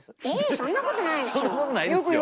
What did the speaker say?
そんなことないですよ。